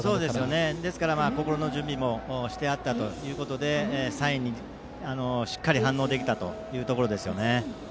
ですから、心の準備もしてあったということでサインにしっかり反応できたということですね。